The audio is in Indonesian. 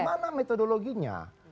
itu adalah metodologinya